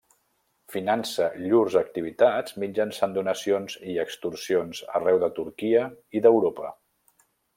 Finança llurs activitats mitjançant donacions i extorsions arreu de Turquia i d'Europa.